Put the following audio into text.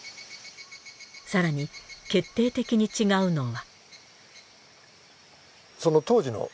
更に決定的に違うのは。